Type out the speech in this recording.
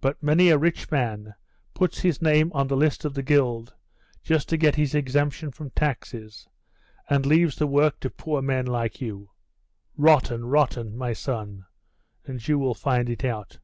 But many a rich man puts his name on the list of the guild just to get his exemption from taxes, and leaves the work to poor men like you. Rotten, rotten! my son, and you will find it out.